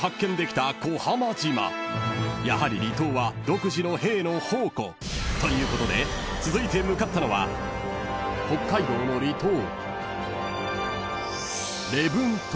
［やはり離島は独自のへぇーの宝庫］［ということで続いて向かったのは北海道の離島］